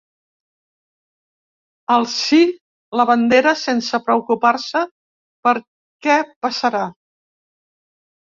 Alci la bandera sense preocupar-se per què passarà.